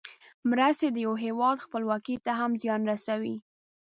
مرستې د یو هېواد خپلواکۍ ته هم زیان رسوي.